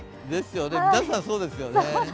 皆さんそうですよね。